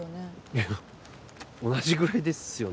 いや同じぐらいですよね